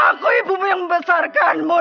aku ibumu yang membesarkanmu